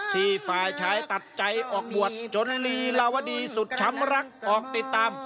ฝ่ายชายตัดใจออกบวชจนลีลาวดีสุดช้ำรักออกติดตาม